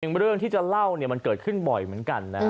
เรื่องที่จะเล่าเนี่ยมันเกิดขึ้นบ่อยเหมือนกันนะ